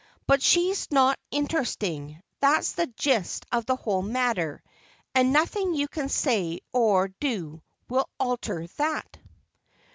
But she's not interesting—that's the gist of the whole matter, and nothing you can say or do will alter that."